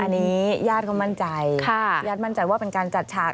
อันนี้ญาติเขามั่นใจญาติมั่นใจว่าเป็นการจัดฉาก